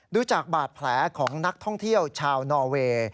ดูจากบาดแผลของนักท่องเที่ยวชาวนอเวย์